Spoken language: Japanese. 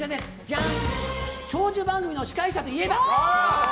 長寿番組の司会者といえば？